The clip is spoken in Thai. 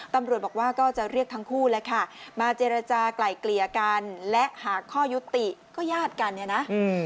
ตำรวจบอกว่าก็จะเรียกทั้งคู่แล้วค่ะมาเจรจากลายเกลี่ยกันและหาข้อยุติก็ญาติกันเนี่ยนะ